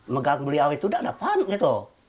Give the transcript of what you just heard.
mengganggu dia itu tidak dapat